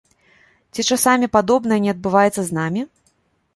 Ці часамі падобнае не адбываецца з намі?